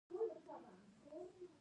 ارزښت یې تر دې هم لوړ دی.